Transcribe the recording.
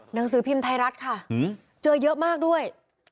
หนังสือพิมพ์ไทยรัฐค่ะเจอเยอะมากด้วย